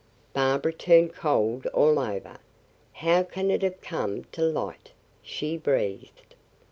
Barbara turned cold all over. "How can it have come to light?" she breathed.